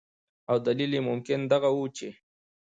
او دلیل یې ممکن دغه ؤ چې